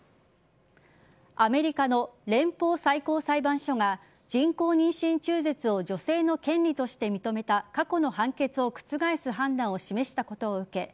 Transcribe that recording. アメリカの連邦最高裁判所が人工妊娠中絶を女性の権利として認めた過去の判決を覆す判断を示したことを受け